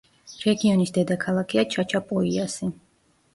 რეგიონის დედაქალაქია ჩაჩაპოიასი.